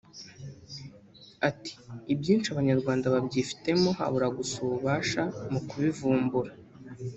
Ati ”Ibyinshi Abanyarwanda babyifitemo habura gusa ubafasha mu kubivumbura